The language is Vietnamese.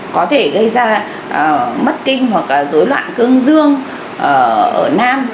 có thể gây ra mất kinh hoặc dối loạn cương dương ở nam